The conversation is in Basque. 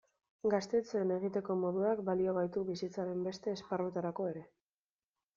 Gaztetxeen egiteko moduak balio baitu bizitzaren beste esparruetarako ere.